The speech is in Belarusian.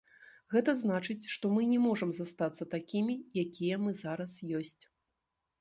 Гэта значыць, што мы не можам застацца такімі, якія мы зараз ёсць.